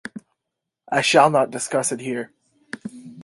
I shall not discuss it here.